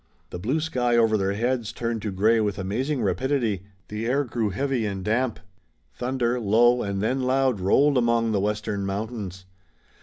The blue sky over their heads turned to gray with amazing rapidity. The air grew heavy and damp. Thunder, low and then loud, rolled among the western mountains.